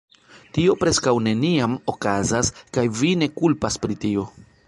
"Tio preskaŭ neniam okazas, kaj vi ne kulpas pri tio."